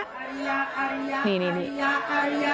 อาริยะอาริยะอาริยะ